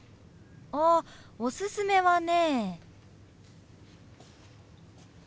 あっおすすめはね。